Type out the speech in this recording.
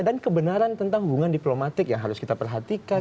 dan kebenaran tentang hubungan diplomatik yang harus kita perhatikan